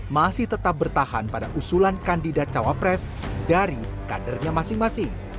masih tetap bertahan pada usulan kandidat cawapres dari kadernya masing masing